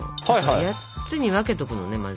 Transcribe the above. ８つに分けとくのねまず。